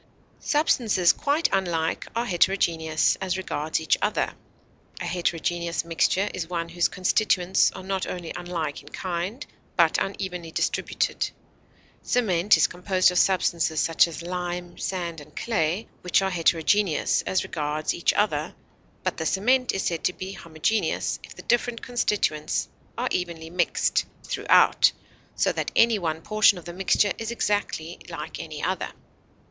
Substances quite unlike are heterogeneous as regards each other. A heterogeneous mixture is one whose constituents are not only unlike in kind, but unevenly distributed; cement is composed of substances such as lime, sand, and clay, which are heterogeneous as regards each other, but the cement is said to be homogeneous if the different constituents are evenly mixed throughout, so that any one portion of the mixture is exactly like any other.